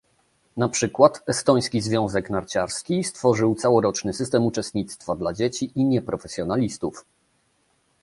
Na przykład, Estoński Związek Narciarski stworzył całoroczny system uczestnictwa dla dzieci i nieprofesjonalistów